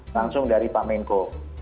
langsung dari pak menko